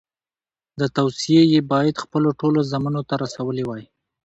دا توصیې یې باید خپلو ټولو زامنو ته رسولې وای.